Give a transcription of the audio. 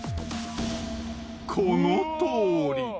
このとおり。